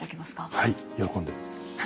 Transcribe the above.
はい喜んで。